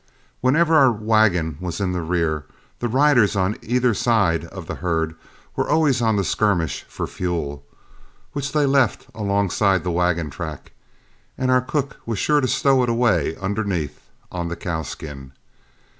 Whenever our wagon was in the rear, the riders on either side of the herd were always on the skirmish for fuel, which they left alongside the wagon track, and our cook was sure to stow it away underneath on the cowskin.